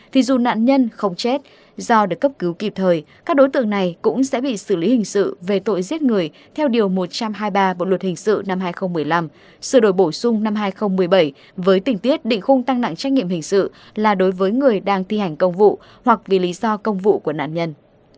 thì dù nạn nhân không chết do được cấp cứu kịp thời các đối tượng này cũng sẽ bị xử lý hình sự về tội giết người theo điều một trăm hai mươi ba bộ luật hình sự năm hai nghìn một mươi năm sự đổi bổ sung năm hai nghìn một mươi bảy với tỉnh tiết định khung tăng nặng trách nhiệm hình sự là đối với người đang thi hành công vụ hoặc vì lý do công vụ của nạn nhân